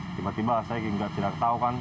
tiba tiba saya juga tidak tahu kan